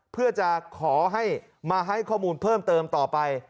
เพื่อจะขอให้มาให้ข้อมูลเพิ่มเติมต่อไป